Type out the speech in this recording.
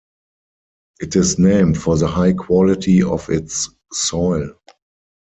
It is named for the high quality of its soil.